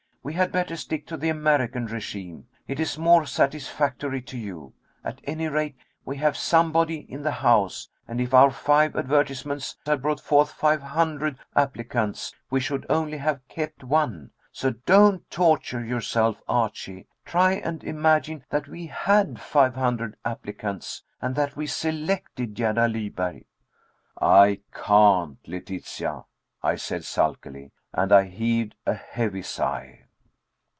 We had better stick to the American régime. It is more satisfactory to you. At any rate, we have somebody in the house, and if our five advertisements had brought forth five hundred applicants we should only have kept one. So don't torture yourself, Archie. Try and imagine that we had five hundred applicants, and that we selected Gerda Lyberg." "I can't, Letitia," I said sulkily, and I heaved a heavy sigh.